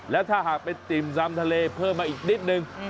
แล้วถ้าหากไปติ่มซำทะเลเพิ่มมาอีกนิดนึง